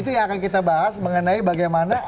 itu yang akan kita bahas mengenai bagaimana